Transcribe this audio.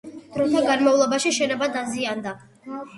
დროთა განმავლობაში შენობა დაზიანდა.